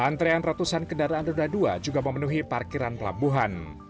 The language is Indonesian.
antrean ratusan kendaraan roda dua juga memenuhi parkiran pelabuhan